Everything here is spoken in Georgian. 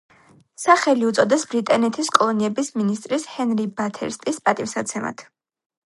სახელი უწოდეს ბრიტანეთის კოლონიების მინისტრის ჰენრი ბათერსტის პატივსაცემად.